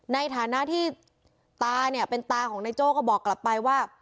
ในฐานะที่ตาเนี่ยเป็นตาของนายโจ้ก็บอกกลับไปว่า